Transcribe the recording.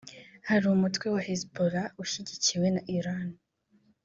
Hari umutwe wa Hezbollah ushyigikiwe na Iran